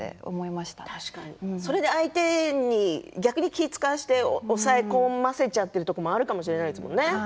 それで相手に逆に気を遣わせて抑え込ませていることもあるかもしれないですものね。